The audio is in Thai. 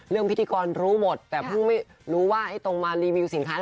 พิธีกรรู้หมดแต่เพิ่งไม่รู้ว่าไอ้ตรงมารีวิวสินค้า